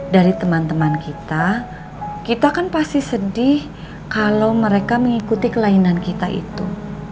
dari teman teman kita kita kan pasti sedih kalau mereka mengikuti kelainan kita itu